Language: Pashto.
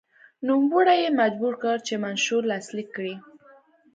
نوموړی یې مجبور کړ چې منشور لاسلیک کړي.